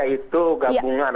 ya itu gabungan